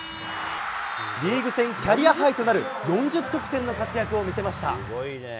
リーグ戦キャリアハイとなる４０得点の活躍を見せました。